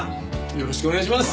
よろしくお願いします。